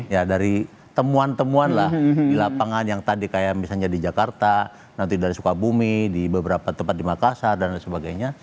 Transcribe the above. ya dari temuan temuan lah di lapangan yang tadi kayak misalnya di jakarta nanti dari sukabumi di beberapa tempat di makassar dan sebagainya